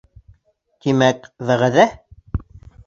— Тимәк, вәғәҙә?